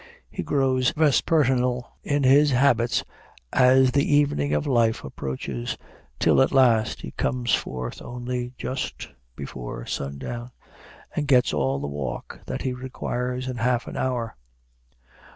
He grows vespertinal in his habits as the evening of life approaches, till at last he comes forth only just before sundown, and gets all the walk that he requires in half an hour.